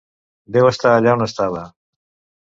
Déu està allà on estava.